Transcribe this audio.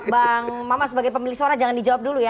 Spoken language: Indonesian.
bang maman sebagai pemilik suara jangan dijawab dulu ya